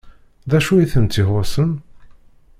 D acu i tent-ixuṣṣen?